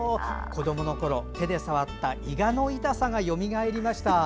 子供のころ、手で触ったいがの痛さがよみがえりました。